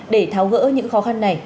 để tháo gỡ những khó khăn này